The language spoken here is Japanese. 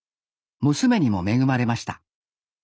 娘にも恵まれました。